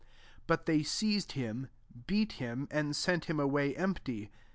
3 But they seized him, beat him^ and sent him away empty.